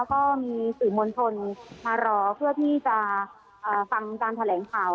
ก็มีสื่อมวลชนมารอเพื่อที่จะฟังการแถลงข่าว